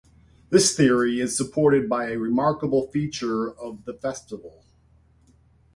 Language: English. This theory is supported by a remarkable feature of the festival.